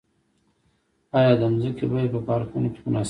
آیا د ځمکې بیه په پارکونو کې مناسبه ده؟